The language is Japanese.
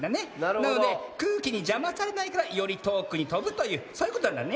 なのでくうきにじゃまされないからよりとおくにとぶというそういうことなんだね。